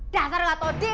dasar lo tau diri